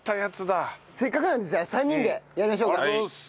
せっかくなんでじゃあ３人でやりましょうか。